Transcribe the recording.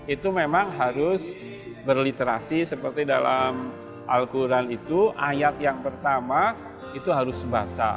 itu memang harus berliterasi seperti dalam al quran itu ayat yang pertama itu harus membaca